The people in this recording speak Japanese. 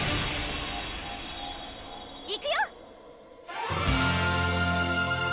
いくよ！